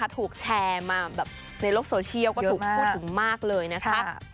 ถูกแชร์มาแบบในโลกโซเชียลก็ถูกพูดถึงมากเลยนะคะ